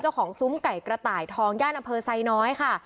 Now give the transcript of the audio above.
ซุ้มไก่กระต่ายทองย่านอำเภอไซน้อยค่ะ